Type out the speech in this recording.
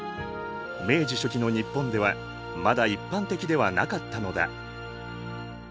明治初期の日本ではまだ一般的ではなかったのだ。